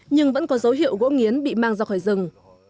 nhưng vẫn có dấu hiệu gỗ nghiến bị mang ra khỏi rừng